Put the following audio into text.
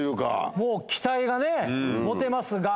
もう期待がね持てますが。